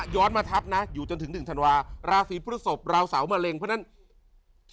มาทับนะอยู่จนถึงหนึ่งธันวาราศีพฤศพราวเสามะเร็งเพราะฉะนั้น